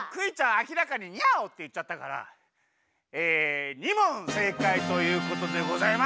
あきらかに「ニャオ」っていっちゃったからえ２もんせいかいということでございます！